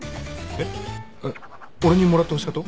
えっ俺にもらってほしかと？